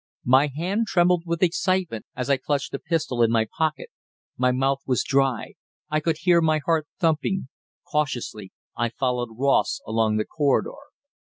My hand trembled with excitement as I clutched the pistol in my pocket. My mouth was dry. I could hear my heart thumping. Cautiously I followed Ross along the corridor.